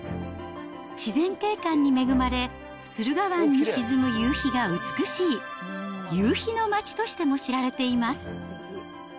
自然景観に恵まれ、駿河湾に沈む夕日が美しい、夕日の町としても知られています。